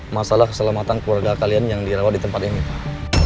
masalah keselamatan keluarga kalian yang dirawat di tempat ini pak